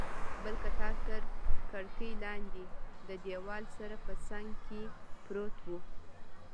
بل قطار تر کړکۍ لاندې، د دیوال سره په څنګ کې پروت و.